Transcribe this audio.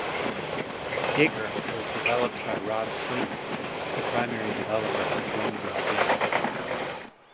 "Digger" was developed by Rob Sleath, the primary developer of Windmill games.